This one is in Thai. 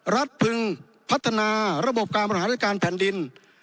พึงพัฒนาระบบการบริหารราชการแผ่นดิน